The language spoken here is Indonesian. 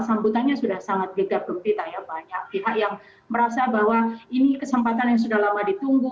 sambutannya sudah sangat gegap gempita ya banyak pihak yang merasa bahwa ini kesempatan yang sudah lama ditunggu